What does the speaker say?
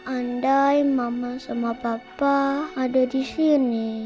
andai mama sama papa ada di sini